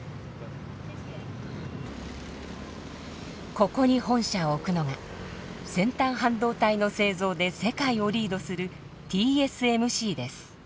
ここに本社を置くのが先端半導体の製造で世界をリードするＴＳＭＣです。